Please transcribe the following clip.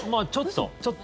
ちょっと。